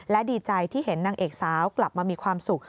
และดีใจที่เห็นนางเอกสาวกลับมามีความสุข